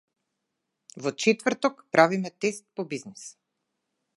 Во четврок правиме тест по бизнис.